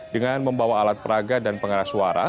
dengan membawa alat peraga dan pengarah suara